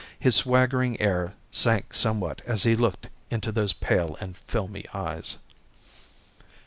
His swaggering air sank somewhat as he looked into those pale and filmy eyes.